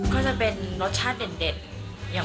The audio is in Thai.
ก็จะเป็นรสชาติเด่น